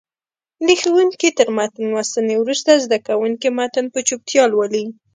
د ښوونکي تر متن لوستنې وروسته زده کوونکي متن په چوپتیا ولولي.